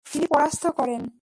তিনি পরাস্ত করেন।